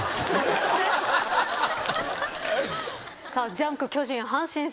『ジャンク』巨人阪神戦。